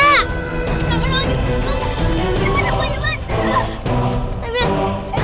jangan jangan jangan